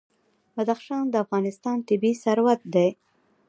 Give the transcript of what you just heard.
بدخشان د افغانستان طبعي ثروت دی.